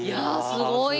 すごい。